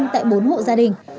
tại bốn hộ gia đình